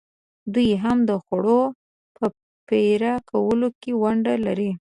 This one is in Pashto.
دوی هم د خوړو په پرې کولو کې ونډه لري.